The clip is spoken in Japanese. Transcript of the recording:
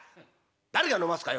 「誰が飲ますかよ」。